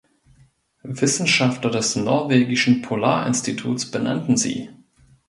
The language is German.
Wissenschaftler des Norwegischen Polarinstituts benannten sie.